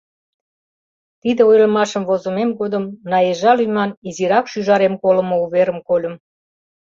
Тиде ойлымашым возымем годым Наежа лӱман изирак шӱжарем колымо уверым кольым.